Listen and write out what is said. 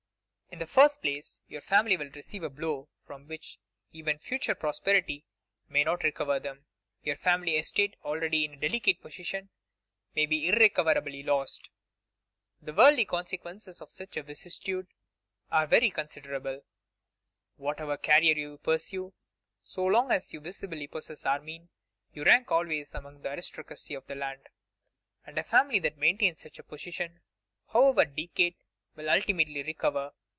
In the first place, your family will receive a blow from which even future prosperity may not recover them. Your family estate, already in a delicate position, may be irrecoverably lost; the worldly consequences of such a vicissitude are very considerable; whatever career you pursue, so long as you visibly possess Armine, you rank always among the aristocracy of the land, and a family that maintains such a position, however decayed, will ultimately recover.